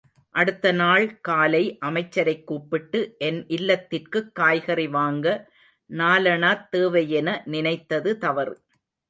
அடுத்த நாள் காலை அமைச்சரைக் கூப்பிட்டு, என் இல்லத்திற்குக் காய்கறி வாங்க நாலணாத் தேவையென நினைத்தது தவறு.